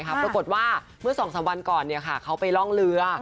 ปรากฏว่าเมื่อ๒๓วันก่อนเขาไปร่องเรือ